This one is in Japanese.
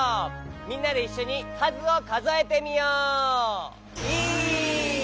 みんなでいっしょにかずをかぞえてみよう。